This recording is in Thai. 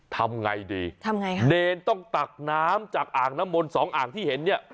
ทำไงดีทำไงคะเนรต้องตักน้ำจากอ่างน้ำมนต์สองอ่างที่เห็นเนี่ย